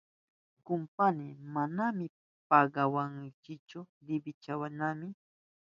Kumpayni, manami pagawahunkichu liwiyachinaynipaka.